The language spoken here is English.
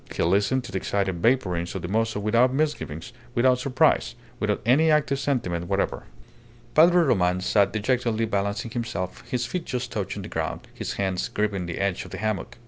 He listened to the excited vapourings of the mozo without misgivings, without surprise, without any active sentiment whatever. Padre Roman sat dejectedly balancing himself, his feet just touching the ground, his hands gripping the edge of the hammock.